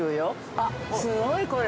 あっ、すごい、これ。